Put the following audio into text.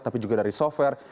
tapi juga dari software